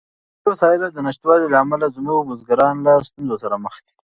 د زراعتي وسایلو د نشتوالي له امله زموږ بزګران له ستونزو سره مخ دي.